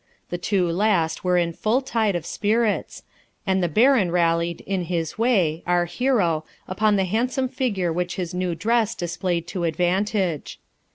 The two last were in full tide of spirits, and the Baron rallied in his way our hero upon the handsome figure which his new dress displayed to advantage.